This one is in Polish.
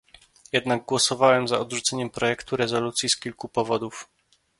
Jednak głosowałem za odrzuceniem projektu rezolucji z kilku powodów